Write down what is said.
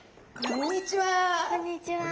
こんにちは！